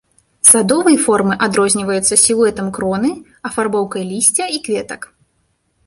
Садовыя формы адрозніваюцца сілуэтам кроны, афарбоўкай лісця і кветак.